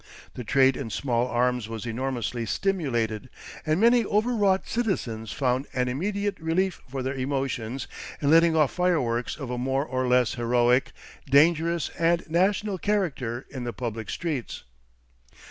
The trade in small arms was enormously stimulated, and many overwrought citizens found an immediate relief for their emotions in letting off fireworks of a more or less heroic, dangerous, and national character in the public streets.